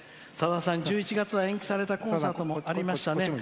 さださん１１月は延期されたコンサートもありましたね。